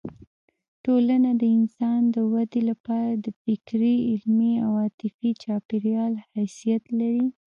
ټولنه د انسان د ودې لپاره د فکري، علمي او عاطفي چاپېریال حیثیت لري.